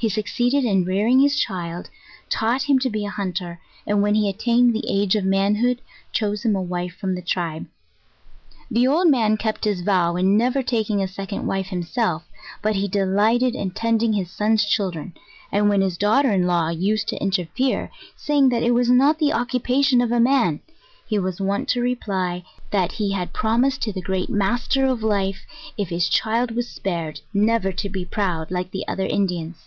He succeeded in rearing his child taught him to be a hun ter, ard when he attained the age of manhood, chose him a wife from the tribe. The old man kept his vow in never taking a second wife himself, but he delighted in tending his son's children, and when his daughter in law used to in terfere, saying that it was not the occupation of a man, he was wont to reply, that he had promised to the great Mas ter of Life, if his child was spared, never to be proud, like the other Indians.